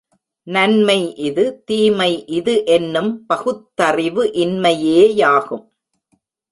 நன்மை இது, தீமை இது என்னும் பகுத்தறிவு இன்மையேயாகும்.